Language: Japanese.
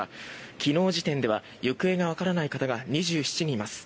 昨日時点では行方がわからない方が２７人います。